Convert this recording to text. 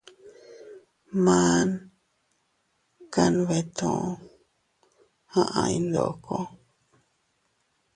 Man kanbeeto aʼay ndoko.